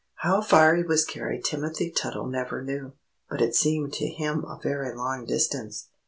How far he was carried Timothy Tuttle never knew, but it seemed to him a very long distance.